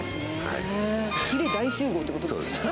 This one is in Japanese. ひれ大集合ってことですね。